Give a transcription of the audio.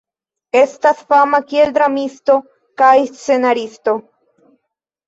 Estas fama kiel dramisto kaj scenaristo.